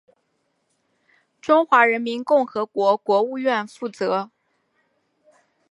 中华人民共和国国务院负责。